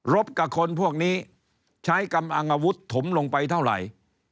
บกับคนพวกนี้ใช้กำลังอาวุธถมลงไปเท่าไหร่